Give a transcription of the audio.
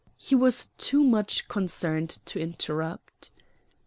He was too much concerned to interrupt.